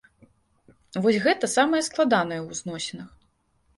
Вось гэта самае складанае ў зносінах.